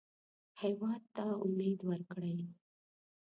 هېواد ته امید ورکړئ